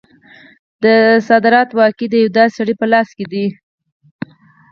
د صدارت واګې د یو داسې سړي په لاس کې دي.